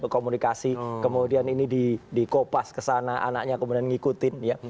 komunikasi kemudian ini dikopas kesana anaknya kemudian ngikutin ya